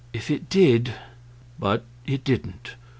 If it did But it didn't.